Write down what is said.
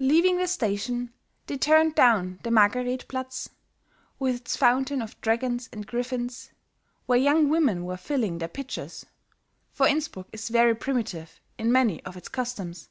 Leaving the station, they turned down the Margareth platz with its fountain of dragons and griffins, where young women were filling their pitchers, for Innsbruck is very primitive in many of its customs.